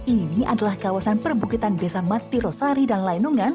ini adalah kawasan perbukitan desa mati rosari dan lainungan